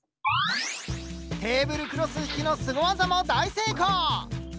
テーブルクロス引きのすご技も大成功！